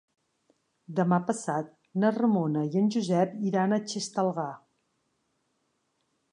Demà passat na Ramona i en Josep iran a Xestalgar.